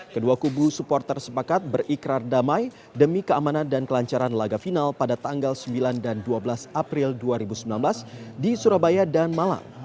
kedua kubu supporter sepakat berikrar damai demi keamanan dan kelancaran laga final pada tanggal sembilan dan dua belas april dua ribu sembilan belas di surabaya dan malang